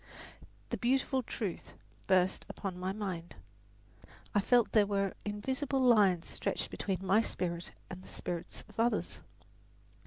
The beautiful truth burst upon my mind I felt that there were invisible lines stretched between my spirit and the spirits of others.